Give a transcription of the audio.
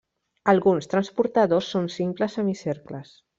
Alguns transportadors són simples semicercles.